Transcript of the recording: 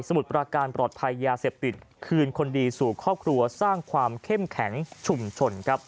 มุดประการปลอดภัยยาเสพติดคืนคนดีสู่ครอบครัวสร้างความเข้มแข็งชุมชนครับ